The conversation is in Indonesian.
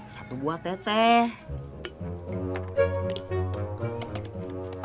satu buat teteh